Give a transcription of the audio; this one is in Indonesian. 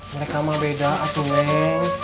mereka mah beda atu neng